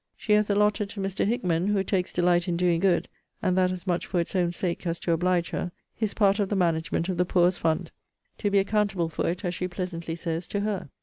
She has allotted to Mr. Hickman, who takes delight in doing good, (and that as much for its own sake, as to oblige her,) his part of the management of the poor's fund; to be accountable for it, as she pleasantly says, to her.